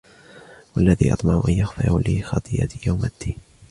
والذي أطمع أن يغفر لي خطيئتي يوم الدين